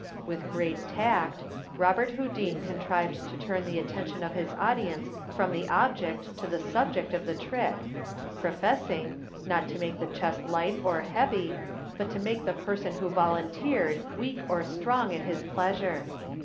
With great tact, Robert Houdin contrived to turn the attention of his audience from the object to the subject of the trick, professing, not to make the chest light or heavy, but to make the person who volunteered weak or strong at his pleasure.